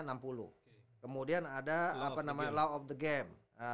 kemudian ada apa namanya law of the game